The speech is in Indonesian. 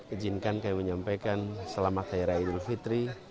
ijinkan kami menyampaikan selamat hari raihul fitri